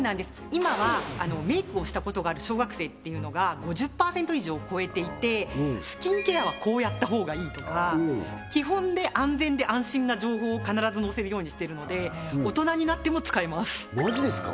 今はメイクをしたことがある小学生っていうのが５０％以上超えていてスキンケアはこうやった方がいいとか基本で安全で安心な情報を必ず載せるようにしてるので大人になっても使えますマジですか？